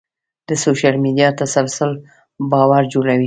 د سوشل میډیا تسلسل باور جوړوي.